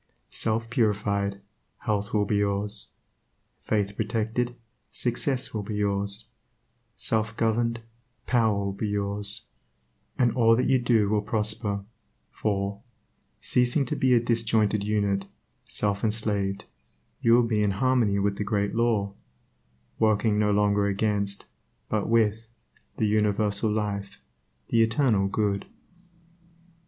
Self purified, health will be yours; faith protected, success will be yours; self governed, power will be yours, and all that you do will prosper, for, ceasing to be a disjointed unit, self enslaved, you will be in harmony with the Great Law, working no longer against, but with, the Universal Life, the Eternal Good.